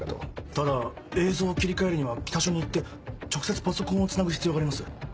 ただ映像を切り替えるには北署に行って直接パソコンをつなぐ必要があります。